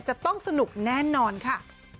จะต้องสนุกแน่นอนค่ะ